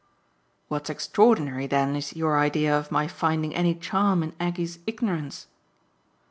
"What's extraordinary then is your idea of my finding any charm in Aggie's ignorance."